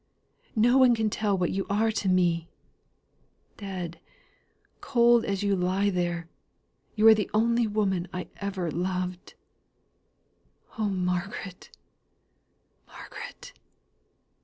no one can tell what you are to me! Dead cold as you lie there, you are the only woman I ever loved! Oh, Margaret Margaret!"